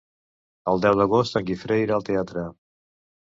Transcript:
El deu d'agost en Guifré irà al teatre.